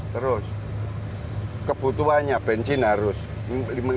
terus kebutuhannya bensin harus minimal lima puluh